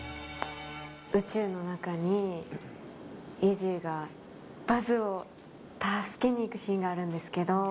宇宙の中にイジーがバズを助けに行くシーンがあるんですけど。